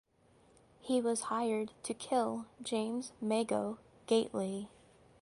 He was hired to kill James "Mago" Gately.